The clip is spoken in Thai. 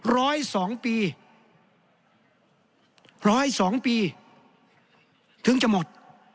ร้อยสองปีร้อยสองปีถึงจะหมด